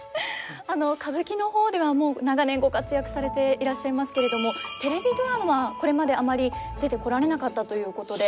歌舞伎の方ではもう長年ご活躍されていらっしゃいますけれどもテレビドラマこれまであまり出てこられなかったということで。